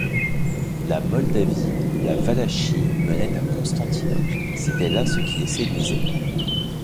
La Moldavie, la Valachie menaient à Constantinople, c'était là ce qui les séduisait.